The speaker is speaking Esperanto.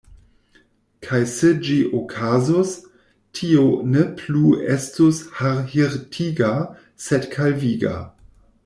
Kaj se ĝi okazus, tio ne plu estus harhirtiga, sed kalviga.